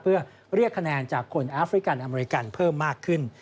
เพื่อเรียกคะแนนจากคนแอฟริกันอเมริกันเพิ่มมากขึ้น